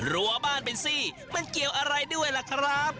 รัวบ้านเป็นซี่มันเกี่ยวอะไรด้วยล่ะครับ